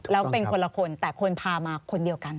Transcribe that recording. แล้วเป็นคนละคนแต่คนพามาคนเดียวกัน